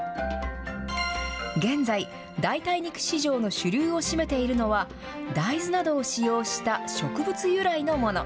現在、代替肉市場の主流を占めているのは、大豆などを使用した植物由来のもの。